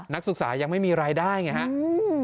นักศึกษายังไม่มีรายได้ไงครับ